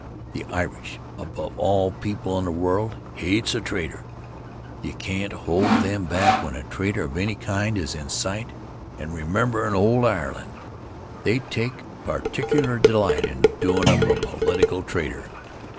The Irish, above all people in the world, hates a traitor. You can't hold them back when a traitor of any kind is in sight and, rememberin' old Ireland, they take particular delight in doin' up a political traitor.